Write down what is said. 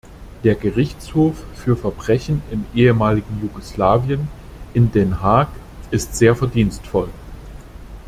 Der Gerichtshof für Verbrechen im ehemaligen Jugoslawien in Den Haag ist sehr verdienstvoll.